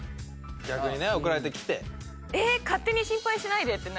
逆にね送られてきて。